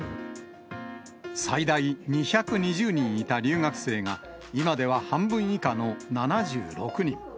最大２２０人いた留学生が、今では半分以下の７６人。